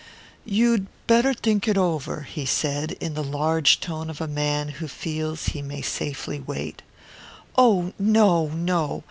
"You'd better think it over," he said, in the large tone of a man who feels he may safely wait. "Oh, no, no.